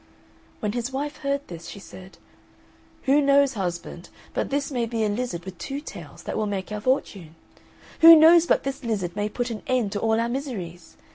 When his wife heard this, she said, "Who knows, husband, but this may be a lizard with two tails, that will make our fortune? Who knows but this lizard may put an end to all our miseries?